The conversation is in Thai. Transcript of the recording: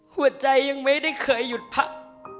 หัวใจยังไม่ได้เคยหยุดพัก